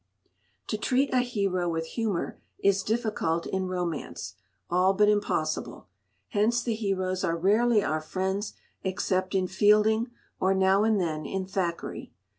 To treat a hero with humour is difficult in romance, all but impossible. Hence the heroes are rarely our friends, except in Fielding, or, now and then, in Thackeray.